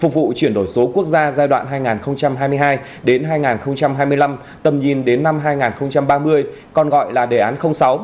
phục vụ chuyển đổi số quốc gia giai đoạn hai nghìn hai mươi hai hai nghìn hai mươi năm tầm nhìn đến năm hai nghìn ba mươi còn gọi là đề án sáu